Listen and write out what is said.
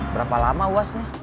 berapa lama uasnya